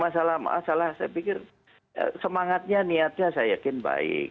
masalah masalah saya pikir semangatnya niatnya saya yakin baik